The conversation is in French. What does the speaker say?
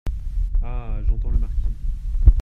Ah ! j’entends le marquis.